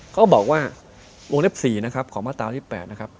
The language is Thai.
เขาก็บอกว่าโรงเรียบ๔ของมาตราวที่๘นะครับ